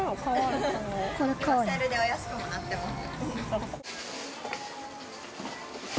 セールでお安くもなってます。